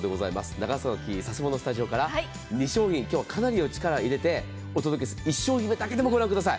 長崎県佐世保市のスタジオから今日はかなり力を入れてお届けする、１商品だけでもご覧ください。